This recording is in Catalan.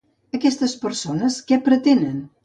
Aquestes persones què pretenen?